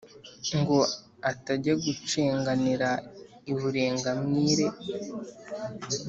ngo atajya gucenganira i burengamwire.